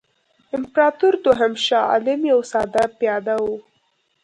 امپراطور دوهم شاه عالم یو ساده پیاده وو.